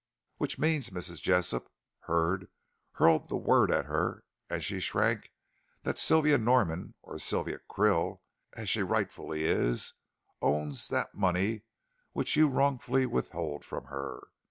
Which means, Mrs. Jessop," Hurd hurled the word at her and she shrank, "that Sylvia Norman or Sylvia Krill, as she rightfully is, owns that money which you wrongfully withhold from her.